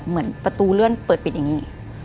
เหมือนประตูเลื่อนเปิดปิดอย่างนี้